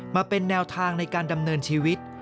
มาเป็นแนวทางในการดำเนินชีวิต